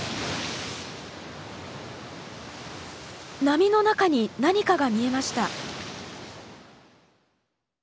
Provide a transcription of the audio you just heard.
波の中に何かが見えました。